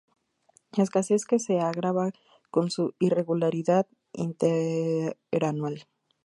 Escasez que se agrava con su irregularidad interanual.